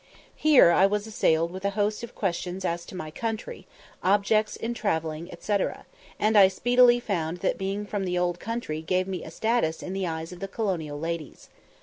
Here I was assailed with a host of questions as to my country, objects in travelling, &c., and I speedily found that being from the "old country" gave me a status in the eyes of the colonial ladies.